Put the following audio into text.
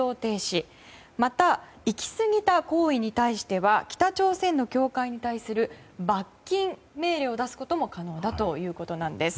それから行き過ぎた行為には北朝鮮の協会に対する罰金命令を出すことも可能だということです。